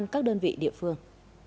các đơn vị địa phương